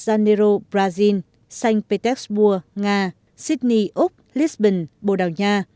các ứng cử viên bao gồm hà nội việt nam singapore nga sydney úc lisbon bồ đào nha